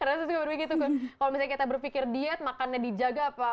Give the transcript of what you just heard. karena itu juga begitu kan kalau misalnya kita berpikir diet makannya dijaga apa